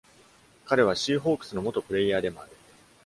彼は Seahawks の元プレイヤーでもある。